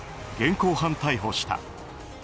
現行犯逮捕した。